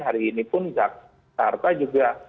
hari ini pun jakarta juga